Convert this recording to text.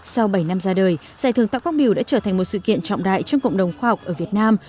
sau bảy năm ra đời giải thưởng tạo quang biểu đã trở thành một sự kiện trọng đại trong cộng đồng khoa học ở việt nam